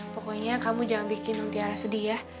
pokoknya kamu jangan bikin tiong tiara sedih ya